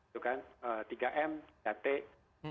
tiga m tiga t enam m